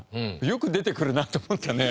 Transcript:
よく出てくるなと思ったね